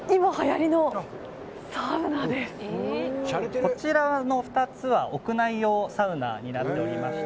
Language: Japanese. こちらの２つは屋内用サウナになっておりまして。